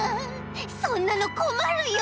そんなのこまるよ。